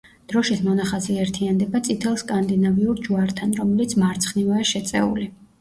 დროშის მონახაზი ერთიანდება წითელ სკანდინავიურ ჯვართან, რომელიც მარცხნივაა შეწეული.